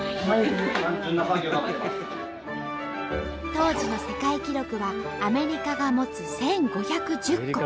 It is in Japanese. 当時の世界記録はアメリカが持つ１，５１０個。